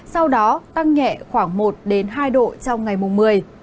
sau đó tăng nhẹ khoảng một hai độ trong ngày mùng một mươi